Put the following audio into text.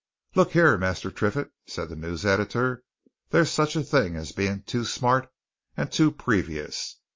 "Look here, Master Triffitt," said the news editor, "there's such a thing as being too smart and too previous.